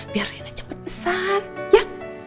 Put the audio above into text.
biar enak cepet besar ya